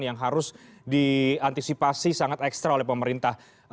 yang harus diantisipasi sangat ekstra oleh pemerintah